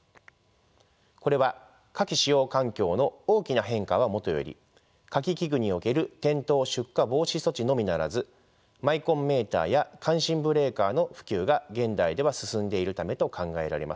これは火気使用環境の大きな変化はもとより火気器具における転倒出火防止措置のみならずマイコンメーターや感震ブレーカーの普及が現代では進んでいるためと考えられます。